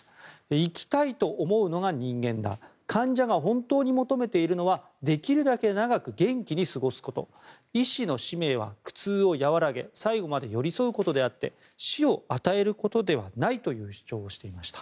生きたいと思うのが人間だ患者が本当に求めているのはできるだけ長く元気に過ごすこと医師の使命は苦痛を和らげ最後まで寄り添うことであって死を与えることではないという主張をしていました。